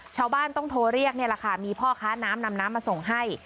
ชาวบ้านต้องโทรเรียกนี่แหละค่ะมีพ่อค้าน้ำนำน้ำมาส่งให้